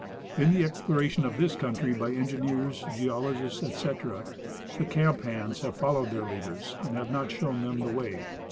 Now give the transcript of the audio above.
In the explora tion of this country by engineers, geologists, etc., the camp hands have followed their leaders and have not shown them the way.